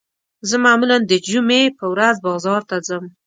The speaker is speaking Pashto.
زه معمولاً د جمعې په ورځ بازار ته ځم